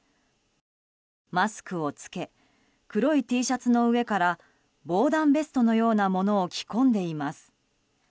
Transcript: マスクを着け黒いＴシャツの上から防弾ベストのようなものを着込んでいます。